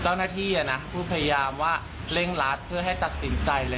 เจ้าหน้าที่นะครับพูดพยายามว่าเล่งรถเพื่อให้ตัดสินใจ